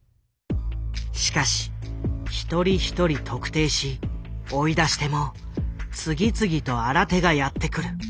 しかし一人一人特定し追い出しても次々と新手がやって来る。